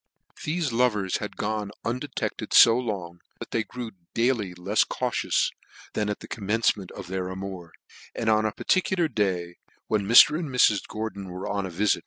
Thefe love's had gone on undetected fo long, that they grew daily lefs cautious than at the commencement of their amour ; and on a parti cular day, when Mr. and Mrs. Gordon were on a vifit, REV.